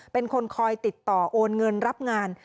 เป็นคนคอยติดต่อโอนเงินรับงาน